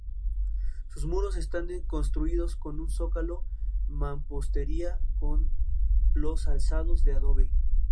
Sus muros están construidos con un zócalo de mampostería, con los alzados de adobe.